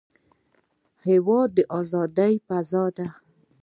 هېواد د ازادۍ فضا ده.